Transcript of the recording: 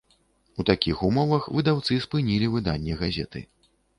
У такіх умовах выдаўцы спынілі выданне газеты.